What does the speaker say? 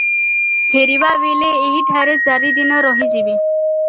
ଫେରିବାବେଳେ ଏହିଠାରେ ଚାରିଦିନ ରହିଯିବ ।